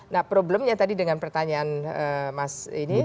nah problemnya tadi dengan pertanyaan mas ini